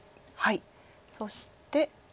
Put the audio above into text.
そして。